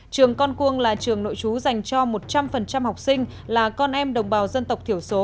trường con cuông là trường nội trú dành cho một trăm linh học sinh là con em đồng bào dân tộc thiểu số